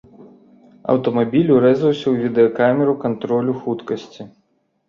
Аўтамабіль урэзаўся ў відэакамеру кантролю хуткасці.